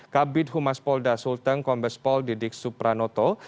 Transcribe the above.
kabit humaspolda sultan kombespoldidik supranoto